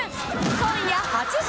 今夜８時。